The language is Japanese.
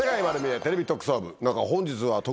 テレビ特捜部』何か。